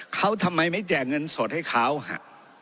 เขาทำไมไม่แจกเงินสดให้เขาฮะ